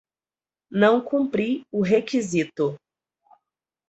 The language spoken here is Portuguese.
Não cumpri o requisito